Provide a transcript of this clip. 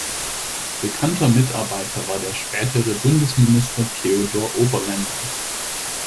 Bekannter Mitarbeiter war der spätere Bundesminister Theodor Oberländer.